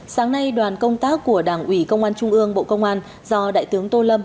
sáng nay đoàn công tác của đảng ủy công an trung ương bộ công an do đại tướng tô lâm